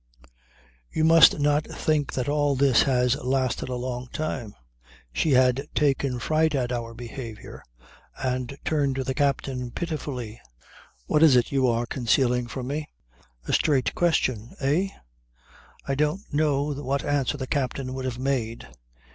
"You must not think that all this had lasted a long time. She had taken fright at our behaviour and turned to the captain pitifully. "What is it you are concealing from me?" A straight question eh? I don't know what answer the captain would have made.